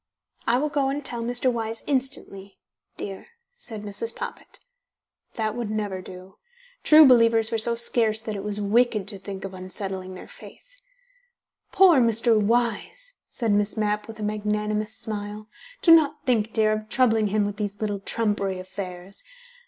"I will go and tell Mr. Wyse instantly dear," said Mrs. Poppit. That would never do. True believers were so scarce that it was wicked to think of unsettling their faith. "Poor Mr. Wyse!" said Miss Mapp with a magnanimous smile. "Do not think, dear, of troubling him with these little trumpery affairs.